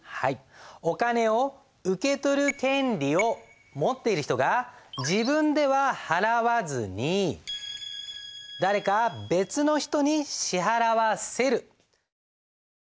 お金を受け取る権利を持っている人が自分では払わずに誰か別の人に支払わせる。